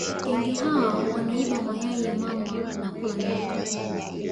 kenge hawa wanaiba mayai ya mamba na kula nyoka